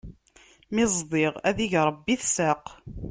Mi ẓdiɣ, ad ig Ṛebbi tsaq!